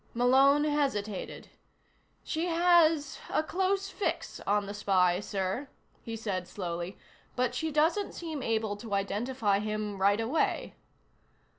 Malone hesitated. "She has a close fix on the spy, sir," he said slowly, "but she doesn't seem able to identify him right away."